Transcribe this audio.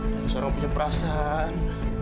lalu sekarang punya perasaan